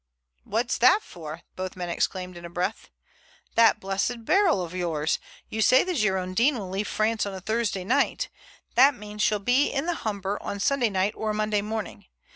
"What's that for?" both men exclaimed in a breath. "That blessed barrel of yours. You say the Girondin will leave France on Thursday night. That means she will be in the Humber on Sunday night or Monday morning.